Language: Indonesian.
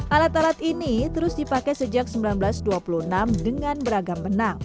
alat alat ini terus dipakai sejak seribu sembilan ratus dua puluh enam dengan beragam benang